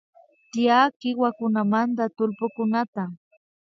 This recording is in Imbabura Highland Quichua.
Tiyak kiwakunamanta tullpukunata